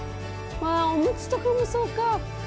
あおむつとかもそうか。